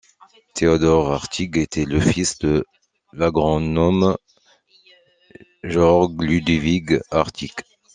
Theodor Hartig était le fils de l’agronome Georg Ludwig Hartig.